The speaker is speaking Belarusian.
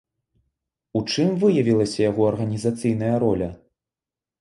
У чым выявілася яго арганізацыйная роля?